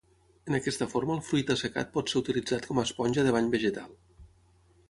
En aquesta forma el fruit assecat pot ser utilitzat com a esponja de bany vegetal.